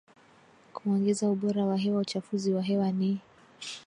kuongeza ubora wa hewa Uchafuzi wa hewa ni